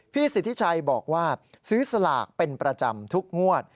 สิทธิชัยบอกว่าซื้อสลากเป็นประจำทุกงวด